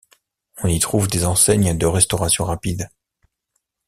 On y trouve des enseignes de restauration rapide.